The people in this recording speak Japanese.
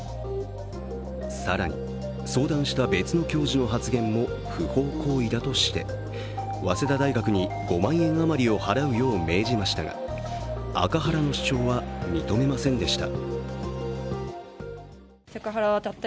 更に、相談した別の教授の発言も不法行為だとして早稲田大学に５万円余りを払うよう命じましたがアカハラの主張は認めませんでした。